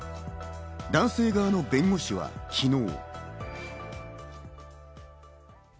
男性側の弁護士は昨日。